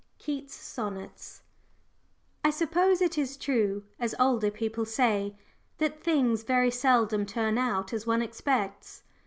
KEATS' Sonnets. I suppose it is true, as older people say, that things very seldom turn out as one expects.